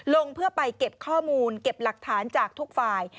เพื่อไปเก็บข้อมูลเก็บหลักฐานจากทุกฝ่าย